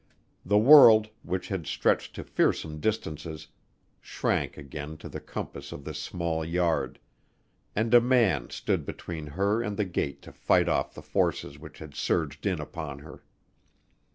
The world, which had stretched to fearsome distances, shrank again to the compass of this small yard, and a man stood between her and the gate to fight off the forces which had surged in upon her.